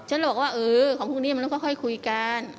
ฉันเลยบอกว่าเออของพวกนี้มันต้องค่อยคุยกัน